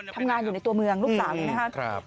ทำงานอยู่ในตัวเมืองลูกสาวนี่นะครับ